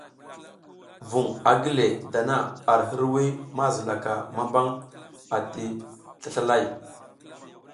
Vuŋ a gi le dana ar hirwuy ma zilaka mambang ati slaslalay.